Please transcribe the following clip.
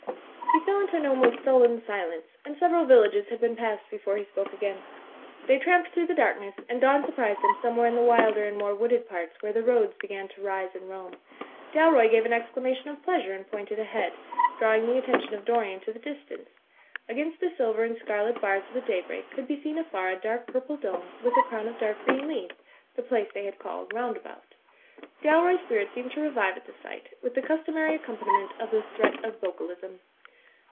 He fell into an almost sullen silence again; and several villages had been passed before he spoke again. They tramped through the darkness; and dawn sur prised them somewhere in the wilder and more wooded parts where the roads began to rise and roam. Dalroy gave an exclamation of pleasure and pointed ahead, drawing the attention of Dorian to the dis tance. Against the silver and scarlet bars of the day break could be seen afar a dark purple dome, with a crown of dark green leaves; the place they had called Roundabout. Dalroy's spirit seemed to revive at the sight, with the customary accompaniment of the threat of vocal ism.